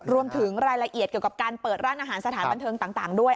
รวมถึงรายละเอียดเกี่ยวกับการเปิดร้านอาหารสถานบันเทิงต่างด้วย